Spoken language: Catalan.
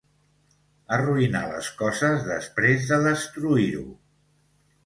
Arruïnar les coses després de destruir-ho.